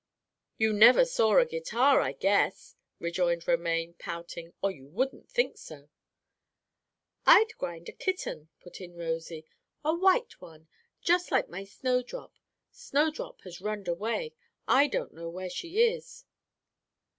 "You never saw a guitar, I guess," rejoined Romaine, pouting, "or you wouldn't think so." "I'd grind a kitten," put in Rosy, "a white one, just like my Snowdrop. Snowdrop has runned away. I don't know where she is."